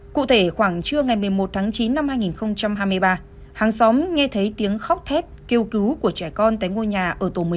cụ thể khoảng trưa ngày một mươi một tháng chín năm hai nghìn hai mươi ba hàng xóm nghe thấy tiếng khóc thét kêu cứu của trẻ con tại ngôi nhà ở tổ một mươi năm